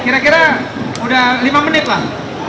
kira kira udah lima menit lah